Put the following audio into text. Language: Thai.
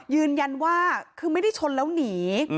ยืนยันว่าคือไม่ได้ชนแล้วหนี